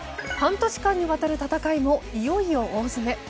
半年間にわたる戦いもいよいよ大詰め。